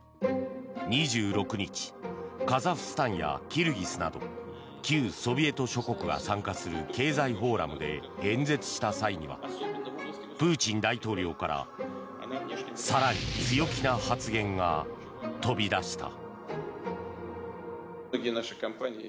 ２６日、カザフスタンやキルギスなど旧ソビエト諸国が参加する経済フォーラムで演説した際にはプーチン大統領から更に強気な発言が飛び出した。